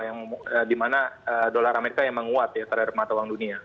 yang dimana dolar amerika yang menguat ya terhadap mata uang dunia